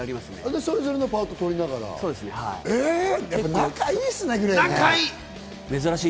それぞれのパートをとりながら、仲いいっすね、ＧＬＡＹ。